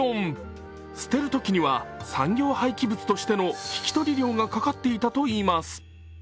捨てるときには、産業廃棄物としての引取料がかかっていたといいます。